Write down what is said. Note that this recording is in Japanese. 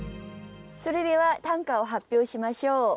それでは短歌を発表しましょう。